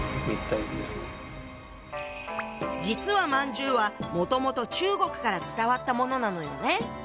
実は饅頭はもともと中国から伝わったものなのよね。